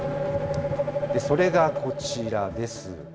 それがこちらです。